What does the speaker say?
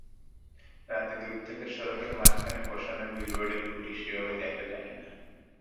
রাতে দূর থেকে সড়কের মাঝখানে বসানো বিলবোর্ডের খুঁটি সেভাবে দেখা যায় না।